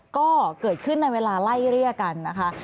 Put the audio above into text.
ก็เกิดขึ้นในเวลาไล่เรียกกันนะคะ